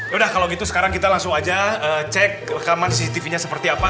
yaudah kalau gitu sekarang kita langsung aja cek rekaman cctv nya seperti apa